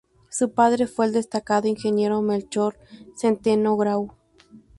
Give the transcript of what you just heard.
Su padre fue el destacado ingeniero Melchor Centeno Grau.